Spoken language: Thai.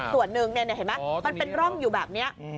ส่วนหนึ่งเห็นไหมมันเป็นร่องอยู่แบบนี้